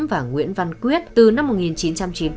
và nguyễn văn quyết từ năm một nghìn chín trăm chín mươi ba